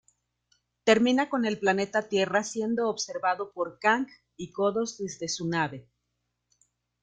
Termina con el planeta Tierra siendo observado por Kang y Kodos desde su nave.